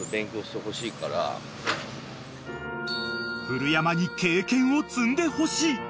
［古山に経験を積んでほしい］